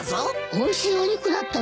おいしいお肉だったのよ。